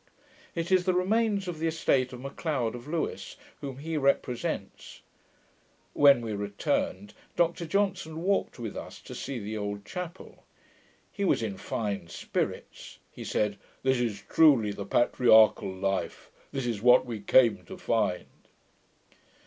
It is the remains of the estate of Macleod of Lewis, whom he represents. When we returned, Dr Johnson walked with us to see the old chapel. He was in fine spirits. He said, 'This is truely the patriarchal life: this is what we came to find.'